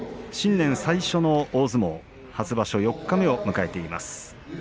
新年最初の、大相撲初場所四日目を迎えています。